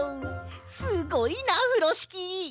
すごいなふろしき！